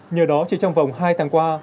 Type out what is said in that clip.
nhờ đó chỉ trong vòng hai tháng qua